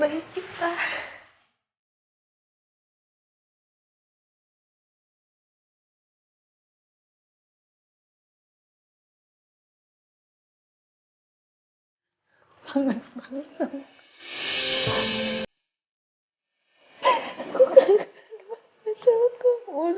bikin aku sahabat kita